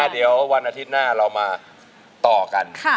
เดี๋ยววันอาทิตย์หน้าเรามาต่อกัน